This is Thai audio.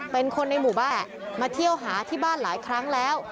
เป็นคนในหมู่บ้านมาเที่ยวหาที่บ้านหลายครั้งแล้ว